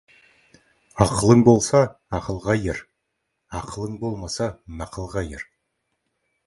Ақылың болса, ақылға ер, ақылың болмаса, нақылға ер.